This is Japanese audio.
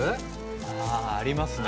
あありますね。